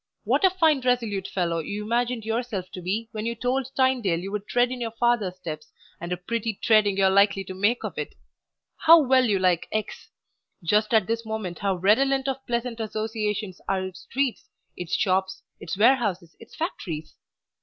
What a fine resolute fellow you imagined yourself to be when you told Tynedale you would tread in your father's steps, and a pretty treading you are likely to make of it! How well you like X ! Just at this moment how redolent of pleasant associations are its streets, its shops, its warehouses, its factories!